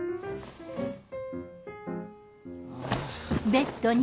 あ。